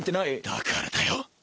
だからだよ。